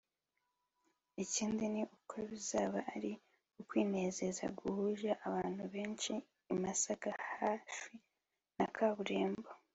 Ikindi ni uko bizaba ari ukwinezeza guhuje abantu benshi i Masaka hafi na kaburimbo